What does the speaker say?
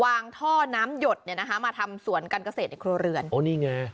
ท่อน้ำหยดเนี่ยนะคะมาทำสวนการเกษตรในครัวเรือนโอ้นี่ไง